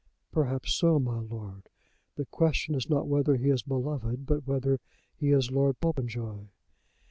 "Perhaps so, my lord. The question is not whether he is beloved, but whether he is Lord Popenjoy."